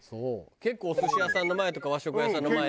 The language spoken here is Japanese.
結構お寿司屋さんの前とか和食屋さんの前ね